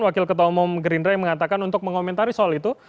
wakil ketua umum gerindra yang mengatakan untuk mengomentari soal itu